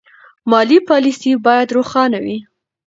مالي پالیسي باید روښانه وي.